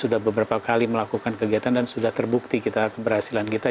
sudah beberapa kali melakukan kegiatan dan sudah terbukti kita keberhasilan kita